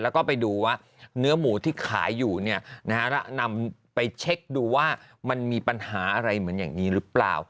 แล้วไปดูว่าเนื้อหมูที่ขายอยู่นำไปเช็คดูว่ามีปัญหาเหมือนแบบนี้หรือเปล่า